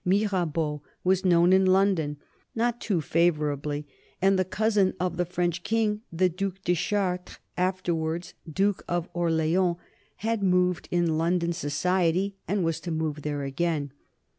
Mirabeau was known in London not too favorably and the cousin of the French King, the Duke de Chartres, afterwards Duke of Orleans, had moved in London society and was to move there again.